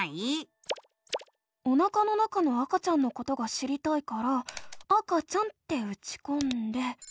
おなかの中の赤ちゃんのことが知りたいから「赤ちゃん」ってうちこんで。